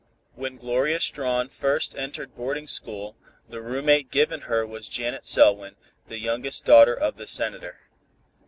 When Gloria Strawn first entered boarding school, the roommate given her was Janet Selwyn, the youngest daughter of the Senator.